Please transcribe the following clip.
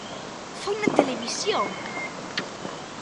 Foi na televisión.